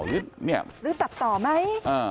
หรือตัดต่อไหม